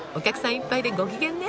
いっぱいでご機嫌ね。